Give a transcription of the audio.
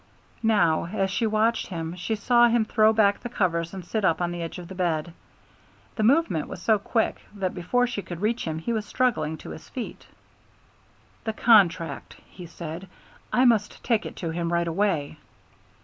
Now as she watched him she saw him throw back the covers and sit up on the edge of the bed. The movement was so quick that before she could reach him he was struggling to his feet. "The contract," he said. "I must take it to him right away."